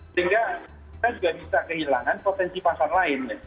sehingga kita juga bisa kehilangan potensi pasar lain